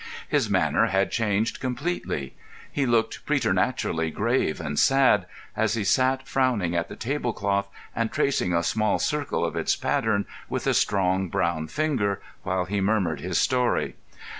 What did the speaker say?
His manner had changed completely. He looked preternaturally grave and sad, as he sat frowning at the tablecloth and tracing a small circle of its pattern with a strong brown finger, while he murmured his story.